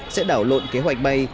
sẽ đảo lộn kế hoạch bay